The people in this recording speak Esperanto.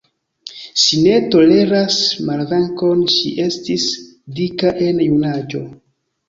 Ŝi ne toleras malvenkon, ŝi estis dika en junaĝo.